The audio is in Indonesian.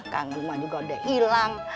kangen mah juga udah ilang